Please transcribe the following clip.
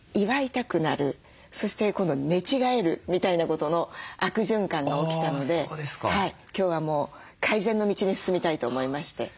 そして今度寝違えるみたいなことの悪循環が起きたので今日はもう改善の道に進みたいと思いまして。